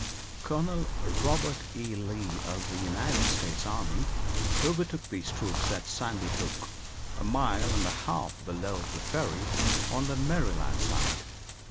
Colonel Robert E. Lee of the United States army, overtook these troops at Sandy Hook, a mile and a half below the Ferry on the Maryland side.